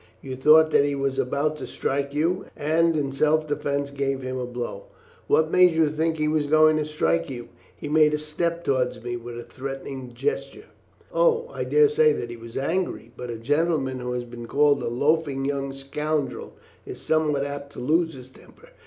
You thought that he was about to strike you, and in self defence gave him a blow. What made you think that he was going to strike you?" "He made a step towards me with a threatening gesture." "Oh, I dare say that he was angry, but a gentleman who has been called a loafing young scoundrel is somewhat apt to lose his temper.